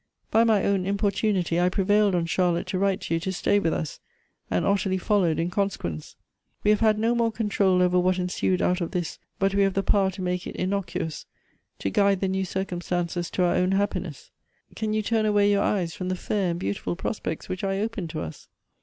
By my own importunity I prevailetl on Charlotte to write to you to stay with us ; and Ottilie followed in consequence. We have had no more control over what ensued out of this, but we have the power to make it innocuous ; to guide the new circumstances to our own happiness. Can you turn away your eyes from the fair and beautiful prospects which I open to us